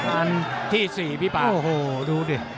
อันที่๔พี่ป่าโอ้โหดูดิ